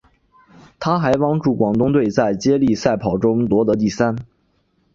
她还帮助广东队在接力赛跑中夺得第三。